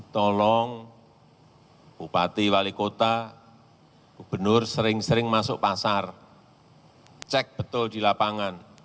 tolong bupati wali kota gubernur sering sering masuk pasar cek betul di lapangan